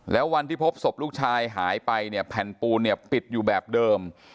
แล้ววันที่พบศพลูกชายหายไปเนี่ยแผ่นปูนเนี่ยปิดอยู่แบบเดิม